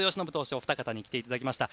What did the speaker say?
お二方に来ていただきました。